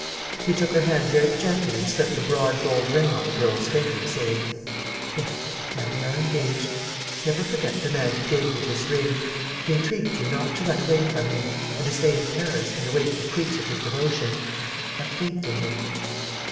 He took her hand very gently and slipped a broad gold ring on the girl's finger, saying: "There, now we are engaged. Never forget the man who gave you this ring. He entreats you not to run away from him ... and to stay in Paris and await the proofs of his devotion. Have faith in him."